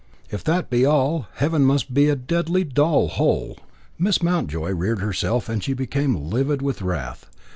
If that be all, heaven must be a deadly dull hole." Miss Mountjoy reared herself, she became livid with wrath.